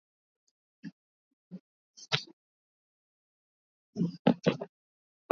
Upungufu wa vitamini A husababisha upofu kwa watoto